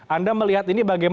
anda melihat ini bagaimana